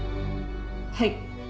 はい